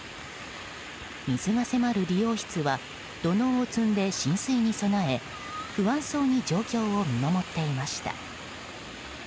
水が迫る理容室は土のうを積んで浸水に備え不安そうに状況を見守っていました。